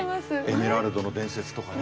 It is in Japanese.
「エメラルドの伝説」とかね。